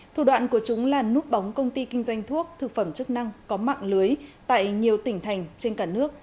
thủ đoạn của chúng là núp bóng công ty kinh doanh thuốc thực phẩm chức năng có mạng lưới tại nhiều tỉnh thành trên cả nước